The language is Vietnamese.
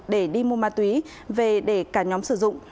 để đi mua ma túy về để cả nhóm sử dụng